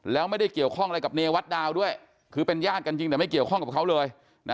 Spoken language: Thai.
แล้วไม่ได้เกี่ยวข้องอะไรกับเนวัดดาวด้วยคือเป็นญาติกันจริงแต่ไม่เกี่ยวข้องกับเขาเลย